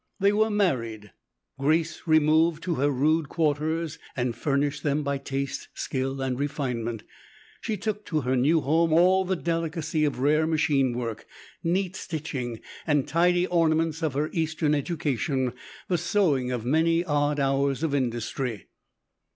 They were married; Grace removed to her rude quarters and furnished them by taste, skill, and refinement. She took to her new home all the delicacy of rare machine work, neat stitching, and tidy ornaments of her Eastern education; the sewing of many odd hours of industry.